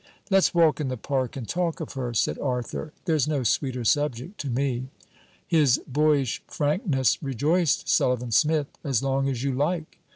'Let's walk in the park and talk of her,' said Arthur. 'There's no sweeter subject to me.' His boyish frankness rejoiced Sullivan Smith. 'As long as you like!